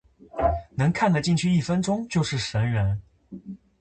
能看的进去一分钟就是神人